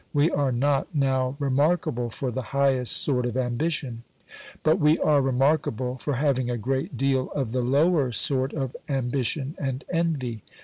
We are not now remarkable for the highest sort of ambition; but we are remarkable for having a great deal of the lower sort of ambition and envy.